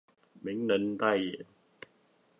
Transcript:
名人代言